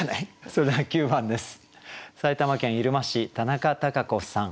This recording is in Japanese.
それでは９番です。